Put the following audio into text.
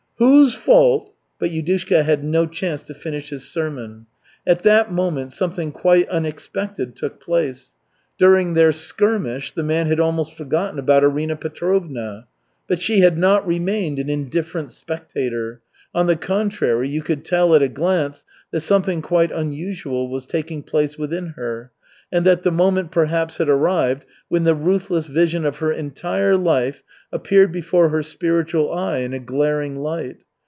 "Whose fault " But Yudushka had no chance to finish his sermon. At that moment something quite unexpected took place. During their skirmish the man had almost forgotten about Arina Petrovna. But she had not remained an indifferent spectator. On the contrary, you could tell at a glance that something quite unusual was taking place within her, and that the moment perhaps had arrived when the ruthless vision of her entire life appeared before her spiritual eye in a glaring light.